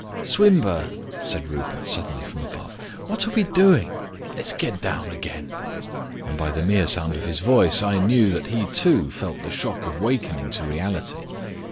"Swinburne," said Rupert suddenly, from above, "what are we doing? Let's get down again," and by the mere sound of his voice I knew that he too felt the shock of wakening to reality.